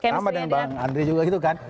sama dengan bang andre juga gitu kan